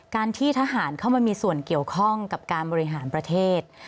การที่ทหารเข้ามามีส่วนเกี่ยวข้องกับการบริหารประเทศ